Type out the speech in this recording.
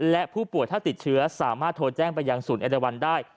และผู้ป่วยถ้าติดเชื้อสามารถโทรแจ้งไปยังศูนย์เอราวันได้